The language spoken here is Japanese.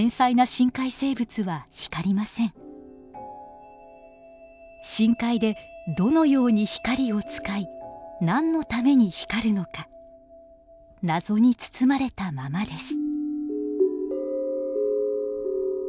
深海でどのように光を使い何のために光るのか謎に包まれたままです。